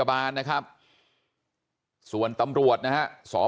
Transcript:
บอกแล้วบอกแล้วบอกแล้ว